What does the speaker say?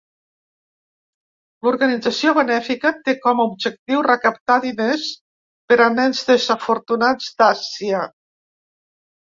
L'organització benèfica té com a objectiu recaptar diners per a nens desafortunats d'Àsia.